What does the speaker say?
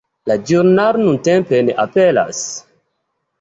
La ĵurnalo nuntempe ne aperas.